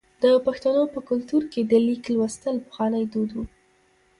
د پښتنو په کلتور کې د لیک لوستل پخوانی دود و.